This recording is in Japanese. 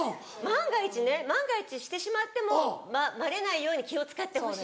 万が一ね万が一してしまってもバレないように気を使ってほしい。